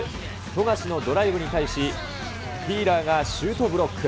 富樫のドライブに対し、フィーラーがシュートブロック。